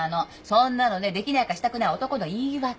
そんなのねできないかしたくない男の言い訳。